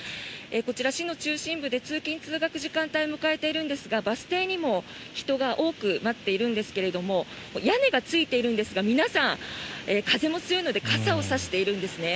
こちら、市の中心部で通勤・通学時間帯を迎えているんですがバス停にも人が多く待っているんですけども屋根がついているんですが皆さん、風も強いので傘を差しているんですね。